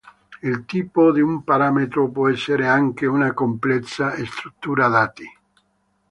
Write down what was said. Il tipo di un parametro può essere anche una complessa struttura dati.